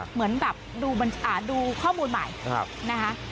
เหมือนแบบดูข้อมูลใหม่นะคะ